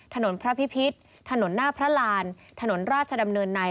ถนนพระพิพิษถนนหน้าพระรานถนนราชดำเนินใน